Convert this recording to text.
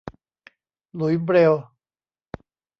หลุยส์ เบรลล์